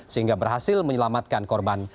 sehingga berhasil menyelamatkan korban